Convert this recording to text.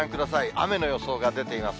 雨の予想が出ています。